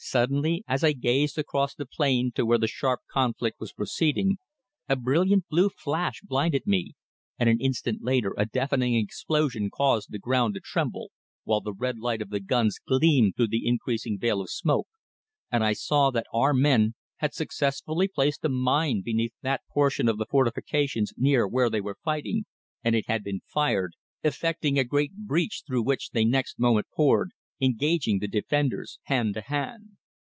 Suddenly, as I gazed across the plain to where the sharp conflict was proceeding, a brilliant blue flash blinded me and an instant later a deafening explosion caused the ground to tremble, while the red light of the guns gleamed through the increasing veil of smoke, and I saw that our men had successfully placed a mine beneath that portion of the fortifications near where they were fighting, and it had been fired, effecting a great breach through which they next moment poured, engaging the defenders hand to hand.